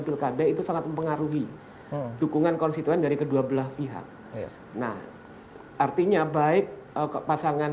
pilkada itu sangat mempengaruhi dukungan konstituen dari kedua belah pihak nah artinya baik pasangan